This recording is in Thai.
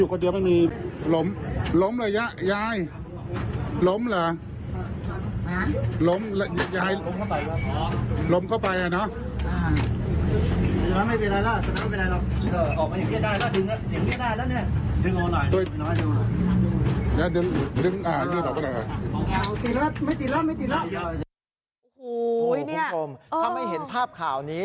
คุณผู้ชมถ้าไม่เห็นภาพข่าวนี้